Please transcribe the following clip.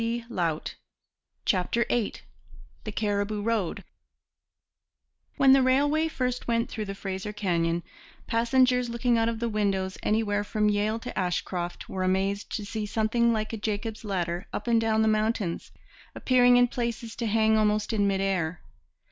CHAPTER VIII THE CARIBOO ROAD When the railway first went through the Fraser Canyon, passengers looking out of the windows anywhere from Yale to Ashcroft were amazed to see something like a Jacob's ladder up and down the mountains, appearing in places to hang almost in mid air.